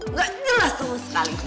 nggak jelas semua sekali